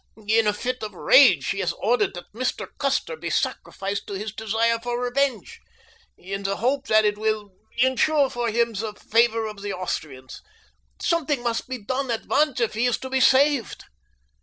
"In a fit of rage he has ordered that Mr. Custer be sacrificed to his desire for revenge, in the hope that it will insure for him the favor of the Austrians. Something must be done at once if he is to be saved."